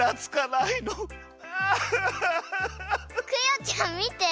クヨちゃんみて！